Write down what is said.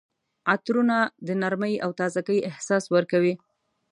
عطرونه د نرمۍ او تازګۍ احساس ورکوي.